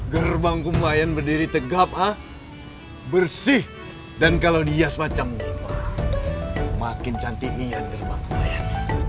gerbang kumlayan berdiri tegap bersih dan kalau dihias macam ini makin cantiknya gerbang kumlayan